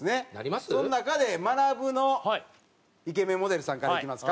その中でまなぶのイケメンモデルさんからいきますか？